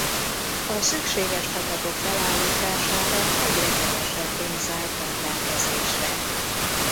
A szükséges csapatok felállítására egyre kevesebb pénz állt rendelkezésre.